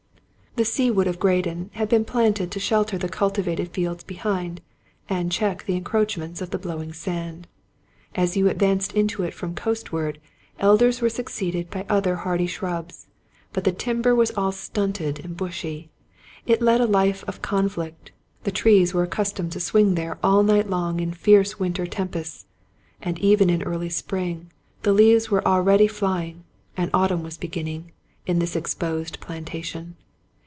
The Sea Wood of Graden had been planted to shelter the cultivated fields behind, and check the encroachments of the blowing sand. As you advanced into it from coastward, elders were succeeded by other hardy shrubs ; but the timber was all stunted and bushy ; it led a life of conflict ; the trees were accustomed to swing there all night long in fierce win ter tempests; and even in early spring, the leaves were al ready flying, and autumn was beginning, in this exposed plantation.